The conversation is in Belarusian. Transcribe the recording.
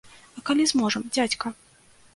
А калі зможам, дзядзька?